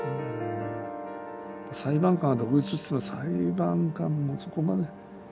裁判官は独立といっても裁判官もそこまで。